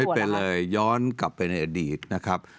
ไปเลยย้อนกลับไปในอดีตนะครับ